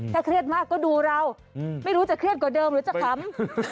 ถ้าเครียดมากก็ดูเราไม่รู้จะเครียดกว่าเดิมหรือจะขำ